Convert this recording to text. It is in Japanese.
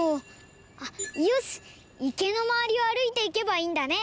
あっよしいけのまわりをあるいていけばいいんだね！